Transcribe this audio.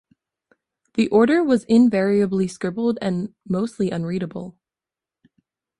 The order was invariably scribbled and mostly unreadable.